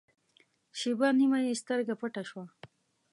شېبه نیمه یې سترګه پټه شوه.